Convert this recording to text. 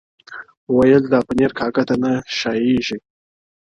ویل دا پنیر کارګه ته نه ښایيږي!!